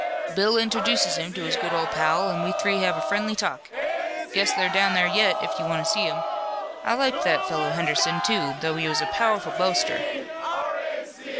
Bill introduces him to his good old pal, an' we three have a friendly talk. Guess they're down there yet, if you want to see 'em. I liked that fellow, Henderson, too, though he was a powerful boaster."